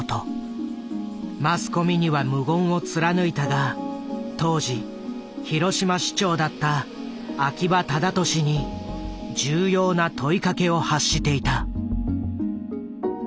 マスコミには無言を貫いたが当時広島市長だった秋葉忠利に重要な問いかけを発していた。